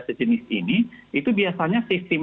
sejenis ini itu biasanya sistem